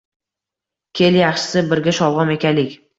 Kel, yaxshisi birga sholg’om ekaylik